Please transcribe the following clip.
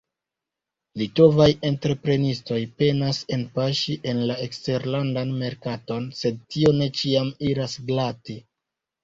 Litovaj entreprenistoj penas enpaŝi en la eksterlandan merkaton, sed tio ne ĉiam iras glate.